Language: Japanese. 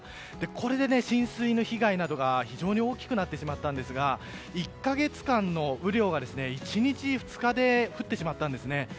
これで浸水の被害などが、非常に大きくなってしまったんですが１か月間の雨量が１日２日で降ってしまったんですね。